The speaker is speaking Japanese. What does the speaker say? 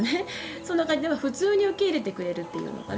そんな感じで普通に受け入れてくれるっていうのかな。